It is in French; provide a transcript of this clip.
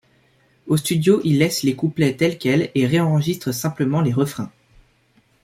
Au studio, il laisse les couplets tels quels et réenregistre simplement les refrains.